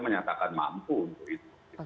menyatakan mampu untuk itu